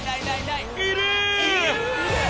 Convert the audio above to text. いる！？